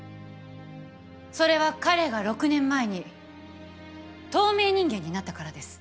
それは彼が６年前に透明人間になったからです。